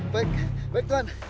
baik baik tuhan